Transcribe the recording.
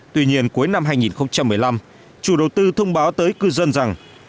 tuy nhiên cuối năm hai nghìn một mươi năm chủ đầu tư thông báo tới cư dân rằng